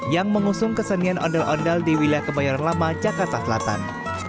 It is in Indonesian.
yang mengusung kesenian ondel ondel di wilayah kebayoran lama jakarta selatan